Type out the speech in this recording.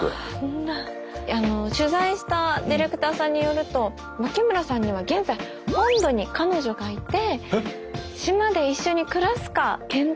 取材したディレクターさんによると脇村さんには現在本土に彼女がいて島で一緒に暮らすか検討しているとのことです。